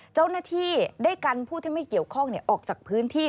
เจ้าหน้าที่ได้กันผู้ที่ไม่เกี่ยวข้องออกจากพื้นที่